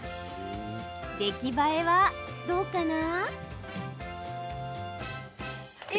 出来栄えは、どうかな？